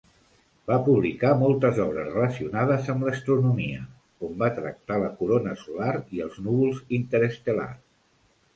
Va publicar moltes obres relacionades amb l'astronomia, on va tractar la corona solar i els núvols interestel·lars.